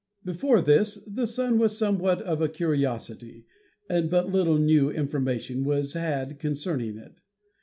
Before this the Sun was somewhat of a curiosity and but little new information was had concerning it.